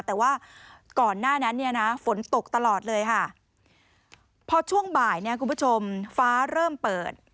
แต่ว่าก่อนหน้านั้นเนี่ยนะฝนตกตลอดเลยค่ะพอช่วงบ่ายเนี่ยคุณผู้ชมฟ้าเริ่มเปิด